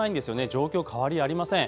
状況、変わりありません。